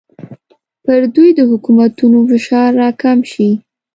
پر دوی د حکومتونو فشار راکم شي.